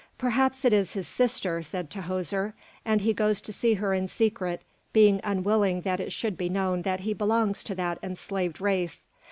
"Perhaps it is his sister," said Tahoser, "and he goes to see her in secret, being unwilling that it should be known that he belongs to that enslaved race."